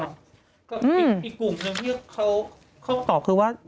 อีกกลุ่มนั่นเฉลี่ยเขาตอบคือว่า